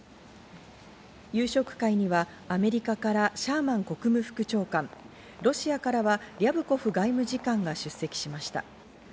夕食会にはアメリカからシャーマン国務副長官、ロシアからはリャブコフ外務次官が出席しました。